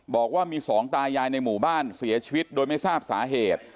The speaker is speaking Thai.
บอกว่ามีสองตายายในหมู่บ้านเสียชีวิตโดยไม่ทราบสาเหตุ